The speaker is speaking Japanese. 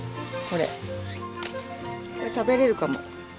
これ食べれるかも。